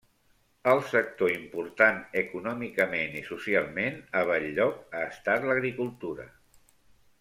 El sector important econòmicament i socialment a Bell-lloc ha estat l'agricultura.